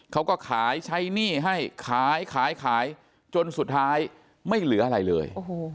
เขาก็ขายใช้หนี้ให้ขายขายจนสุดท้ายไม่เหลืออะไรเลย